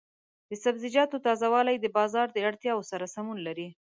د سبزیجاتو تازه والي د بازار د اړتیاوو سره سمون لري.